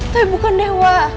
tapi bukan dewa